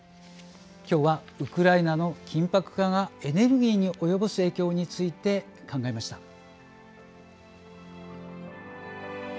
きょうはウクライナの緊迫化がエネルギーに及ぼす影響について考えました。